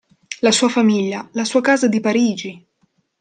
La sua famiglia, la sua casa di Parigi!